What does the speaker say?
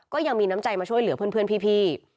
ก็ยังมีน้ำใจมาช่วยเหลือเพื่อนพี่